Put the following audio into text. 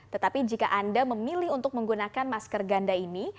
tetapi jika anda memilih untuk menggunakan masker ganda ini